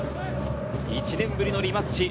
１年ぶりのリマッチ。